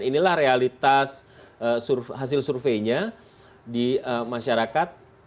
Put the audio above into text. inilah realitas hasil surveinya di masyarakat